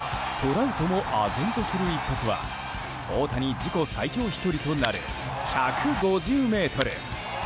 次のバッター、トラウトもあぜんとする一発は大谷、自己最長飛距離となる１５０ｍ。